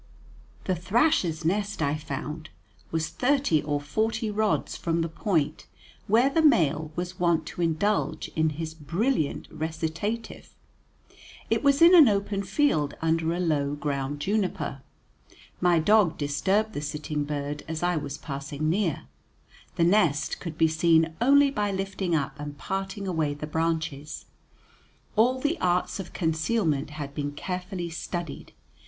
The thrasher's nest I found was thirty or forty rods from the point where the male was wont to indulge in his brilliant recitative. It was in an open field under a low ground juniper. My dog disturbed the sitting bird as I was passing near. The nest could be seen only by lifting up and parting away the branches. All the arts of concealment had been carefully studied.